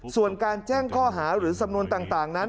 ส่วนการแจ้งข้อหาหรือสำนวนต่างนั้น